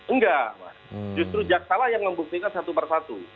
enggak mas justru jaksa lah yang membuktikan satu persatu